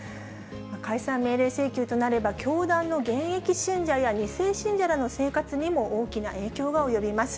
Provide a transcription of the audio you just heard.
解散命令請求となれば、教団の現役信者や２世信者らの生活にも大きな影響が及びます。